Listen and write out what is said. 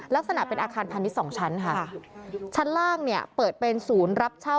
ลักษณะเป็นอาคารพาณิชย์สองชั้นค่ะชั้นล่างเนี่ยเปิดเป็นศูนย์รับเช่า